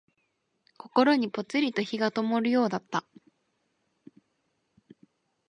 心にぽつりと灯がともるようだった。